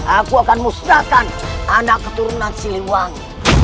aku akan musnahkan anak keturunan siliwangi